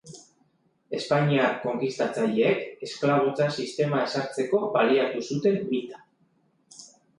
Espainiar konkistatzaileek esklabotza sistema ezartzeko baliatu zuten mita.